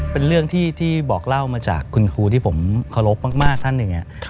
เป็นเรื่องที่บอกเล่ามาจากคุณครูที่ผมเคารพมากท่านหนึ่ง